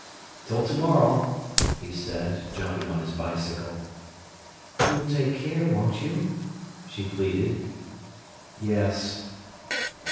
"Till to morrow," he said, jumping on his bicycle. "You'll take care, won't you?" she pleaded. "Yes."